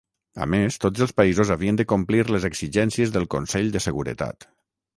A més, tots els països havien de complir les exigències del Consell de Seguretat.